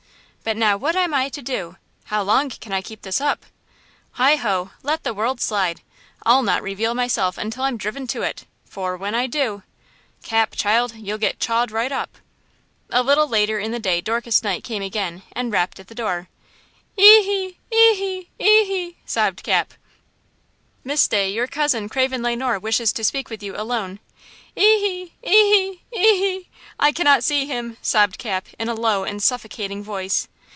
But now what am I to do? How long can I keep this up? Heigh ho! 'let the world slide!' I'll not reveal myself until I'm driven to it, for when I do–! Cap, child, you'll get chawed right up!" A little later in the day Dorcas Knight came again and rapped at the door. "Ee–hee! Eeh–ee! Ee–hee!" sobbed Cap. "Miss Day, your cousin, Craven Le Noir, wishes to speak with you alone." "Ee–hee! Ee–hee! Ee–hee! I cannot see him!" sobbed Cap, in a low and suffocating voice.